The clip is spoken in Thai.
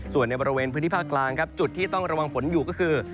ส่วนในบริเวณพื้นที่ภาคกลางครับจุดที่ต้องระวังฝนอยู่ก็คือ